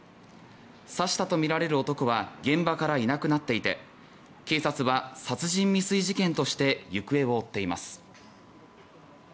刺したとみられる男は現場からいなくなっていて警察は殺人未遂事件として行方を追っています。